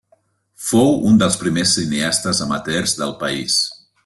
Fou un dels primers cineastes amateurs del país.